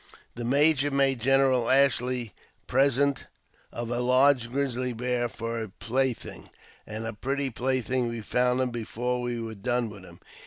The major made General Ashley a present of S, large grizzly bear for a plaything, and a pretty plaything we found him before we were done with him.